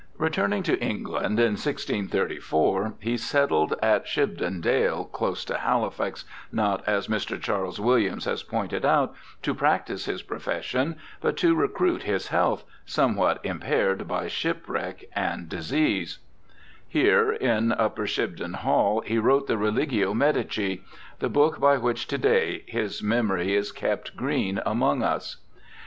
Returning to England in 1634 he settled at Shibden Dale, close to Halifax, not, as Mr. Charles Williams has pointed out, to practise his profession, but to recruit his health, somewhat impaired by shipwreck and disease. 252 BIOGRAPHICAL ESSAYS Here, in Upper Shibden Hall, he wrote the Religio Medici, the book by which to day his memory is kept green among us.